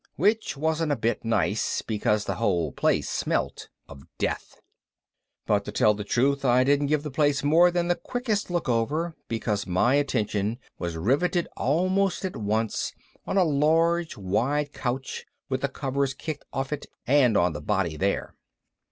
Which wasn't a bit nice, because the whole place smelt of death. But to tell the truth I didn't give the place more than the quickest look over, because my attention was rivetted almost at once on a long wide couch with the covers kicked off it and on the body there.